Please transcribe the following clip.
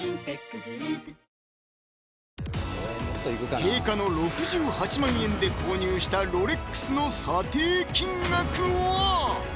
定価の６８万円で購入したロレックスの査定金額は？